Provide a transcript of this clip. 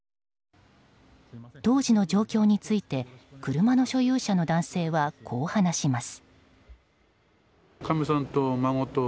当時の状況について車の所有者の男性はこう話します。